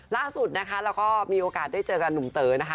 ล่าสุดนะคะเราก็มีโอกาสได้เจอกับหนุ่มเต๋อนะคะ